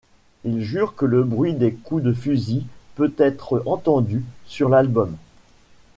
Il jure que le bruit des coups de fusil peut être entendu sur l'album.